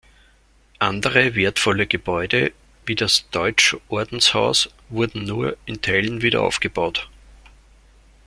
Andere wertvolle Gebäude, wie das Deutschordenshaus, wurden nur in Teilen wieder aufgebaut.